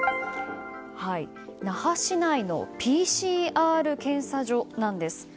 那覇市内のＰＣＲ検査場です。